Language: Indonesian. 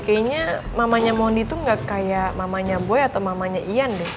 kayaknya mamanya mondi itu gak kayak mamanya boy atau mamanya ian deh